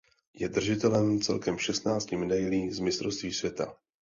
Je držitelem celkem šestnácti medailí z mistrovství světa.